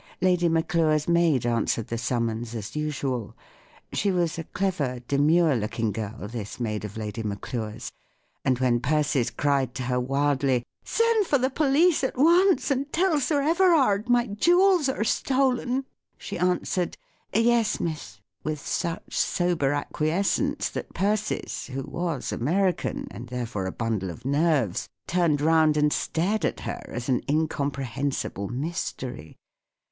Lady Maclure's maid answered the summons, as usual. She was a clever, demure looking girl, this maid of Lady Maclure's; and when Persis cried to her wildly, " Send for the police at once, and tell Sir Everard my jewels are stolen !" she answered " Yes, miss," with such sober acquiescence that Persis, who was American, and therefore a bundle of nerves, turned round and stared at her as an incompre¬ hensible mystery.